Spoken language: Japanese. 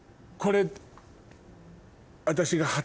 これ私が。